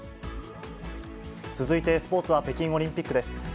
続いてスポーツは北京オリンピックです。